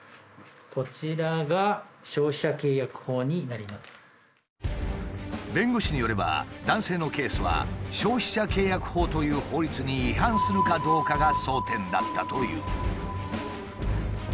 こちらが弁護士によれば男性のケースは消費者契約法という法律に違反するかどうかが争点だったという。